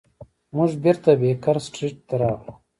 موږ بیرته بیکر سټریټ ته راغلو.